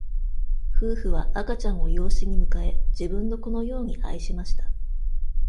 夫婦は赤ちゃんを養子に迎え、自分のこのように愛しました。